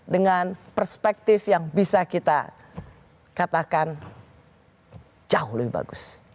dengan perspektif yang bisa kita katakan jauh lebih bagus